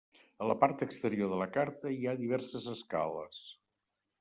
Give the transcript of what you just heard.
A la part exterior de la carta hi ha diverses escales.